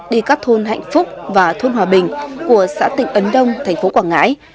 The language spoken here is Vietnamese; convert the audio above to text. đi các thôn hạnh phúc và thôn hòa bình của xã tịnh ấn đông thành phố quảng ngãi